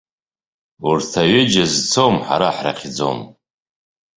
Урҭ аҩыџьа зцом, ҳара ҳрыхьӡом.